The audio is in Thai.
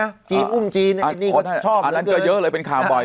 อันนั้นก็เยอะเลยเป็นข่าวบ่อย